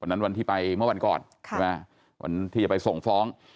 วันนั้นวันที่ไปเมื่อวันก่อนวันที่ไปส่งฟ้อง